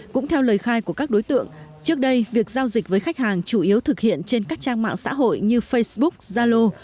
cũng theo lời khai của các đối tượng trước đây việc giao dịch với khách hàng chủ yếu thực hiện trên các trang mạng xã hội như facebook zalo